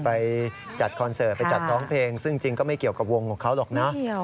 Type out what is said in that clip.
ไปจัดคอนเสิร์ตไปจัดร้องเพลงซึ่งจริงก็ไม่เกี่ยวกับวงของเขาหรอกนะ